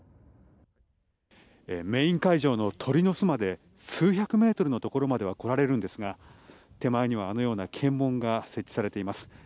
メイン会場の鳥の巣まで数百メートルのところまでは来られるんですが手前にはあのような検問が設置されています。